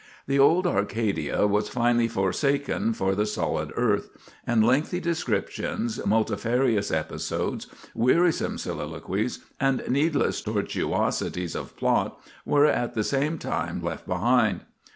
The old Arcadia was finally forsaken for the solid earth, and lengthy descriptions, multifarious episodes, wearisome soliloquies, and needless tortuosities of plot were at the same time left behind.